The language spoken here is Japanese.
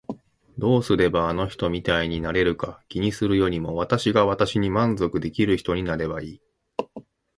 どうすればあの人みたいになれるか気にするよりも私が私に満足できる人になればいい。